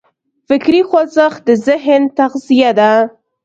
فکري خوځښت د ذهن تغذیه ده.